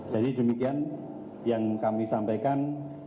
jadi demikian yang kami sampaikan